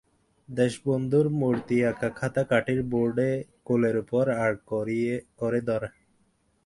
দেশবন্ধুর মূর্তি-আঁকা খাতা কাঠের বোর্ডে কোলের উপর আড় করে ধরা।